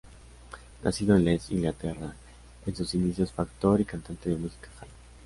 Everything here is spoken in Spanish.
Nacido en Leeds, Inglaterra, en sus inicios fue actor y cantante de music hall.